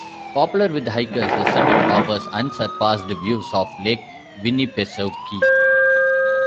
Popular with hikers, the summit offers unsurpassed views of Lake Winnipesaukee.